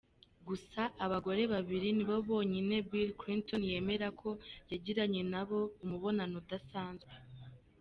Gusa abagore babiri nibo bonyine Bill Clinton yemera ko yagiranye nabo umubano udasanzwe.